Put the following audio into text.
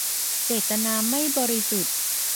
เจตนาไม่บริสุทธิ์